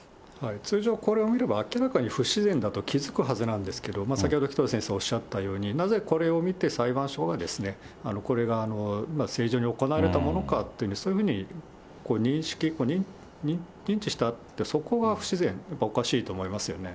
通常、これを見れば明らかに不自然だと気付くはずなんですけど、先ほど、紀藤先生おっしゃったように、なぜこれを見て、裁判所が、これが正常に行われたものかというふうに、そういうふうに認識、認知したって、そこが不自然、おかしいと思いますよね。